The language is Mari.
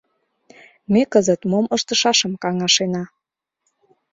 Ме кызыт мом ыштышашым каҥашена.